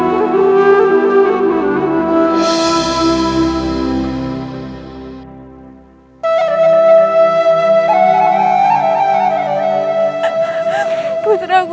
ibu bunda disini nak